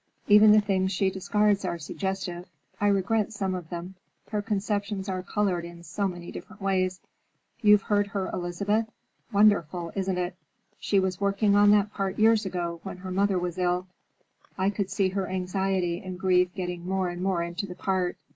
Even the things she discards are suggestive. I regret some of them. Her conceptions are colored in so many different ways. You've heard her Elizabeth? Wonderful, isn't it? She was working on that part years ago when her mother was ill. I could see her anxiety and grief getting more and more into the part.